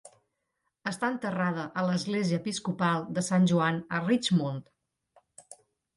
Està enterrada a l'església episcopal de Sant Joan a Richmond.